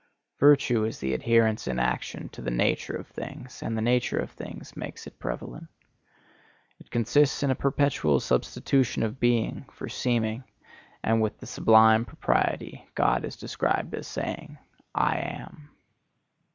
Virtue is the adherence in action to the nature of things, and the nature of things makes it prevalent. It consists in a perpetual substitution of being for seeming, and with sublime propriety God is described as saying, I AM.